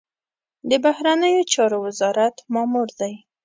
د بهرنیو چارو وزارت مامور دی.